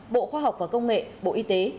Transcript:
bộ khoa học và công nghệ bộ y tế